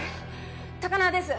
高輪です